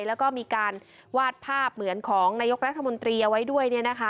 แล้วก็มีการวาดภาพเหมือนของนายกรัฐมนตรีเอาไว้ด้วย